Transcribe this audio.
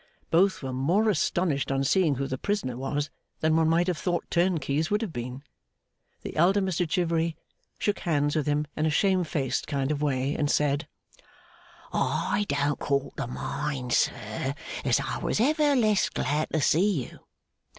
Both were more astonished on seeing who the prisoner was, than one might have thought turnkeys would have been. The elder Mr Chivery shook hands with him in a shame faced kind of way, and said, 'I don't call to mind, sir, as I was ever less glad to see you.